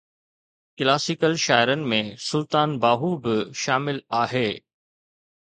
classical شاعرن ۾ سلطان باهو به شامل آهي